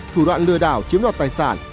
thủ đoạn lừa đảo chiếm đọt tài sản